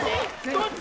どっち。